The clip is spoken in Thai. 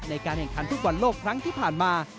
ในการแข่งขันฟุตบอลโลกครั้งที่ผ่านมา